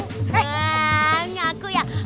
eh ngaku ya